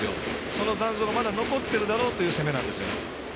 その残像がまだ残っているだろうっていう攻めなんですよね。